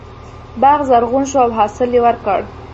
باغ زرغون شو او حاصل یې ورکړ.